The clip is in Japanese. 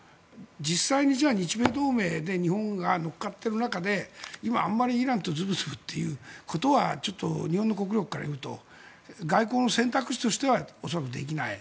実際に日米同盟で日本が乗っかっている中で今、あまりイランとずぶずぶということは日本の国力からいうと外交の選択肢としては恐らくできない。